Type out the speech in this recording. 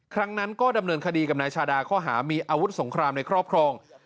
ครั้งนั้นก็ดำเนินคดีกับนายชาดาข้อหามีอาวุธสงครามในครอบครอง